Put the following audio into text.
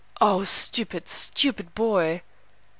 Oh, stupid, stupid boy!"